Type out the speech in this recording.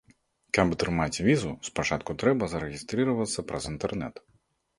Каб атрымаць візу, спачатку трэба зарэгістравацца праз інтэрнэт.